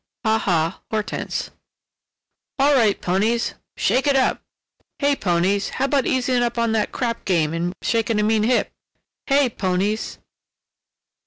"HA HA HORTENSE!" "All right, ponies!" "Shake it up!" "Hey, ponies—how about easing up on that crap game and shaking a mean hip?" "Hey, _ponies!